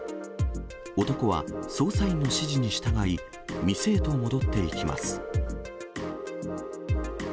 男は捜査員の指示に従い、店へと戻っていきます。